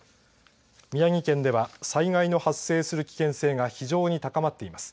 宮城県では災害の発生する危険性が非常に高まっています。